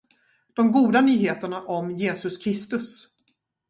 De goda nyheterna om Jesus Kristus